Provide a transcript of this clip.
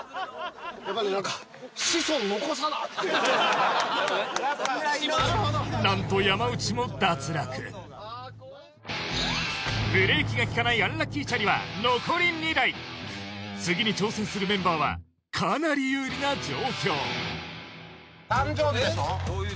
やっぱりね何か子孫残さな！って何と山内も脱落ブレーキが利かないアンラッキーチャリは残り２台次に挑戦するメンバーはかなり有利な状況誕生日でしょう？